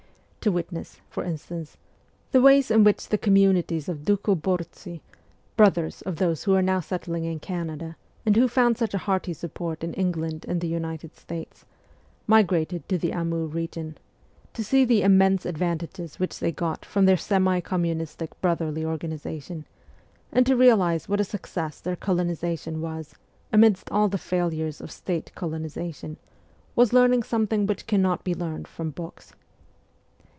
To wit ness, for instance, the ways in which the communi ties of Dukhob6rtsy (brothers of those who are now settling in Canada, and who found such a hearty support in England and the United States) migrated to the Amur region ; to see the immense advantages which they got from their semi communistic brotherly organization ; and to realize what a success their colonization was, amidst all the failures of State colonization, was learning something which cannot be learned from books.